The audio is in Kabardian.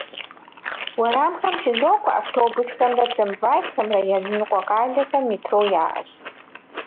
Уэрамхэм щызокӏуэ автобусхэмрэ трамвайхэмрэ, языныкъуэ къалэхэм метро яӏэщ.